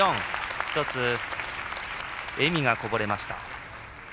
１つ、笑みがこぼれました。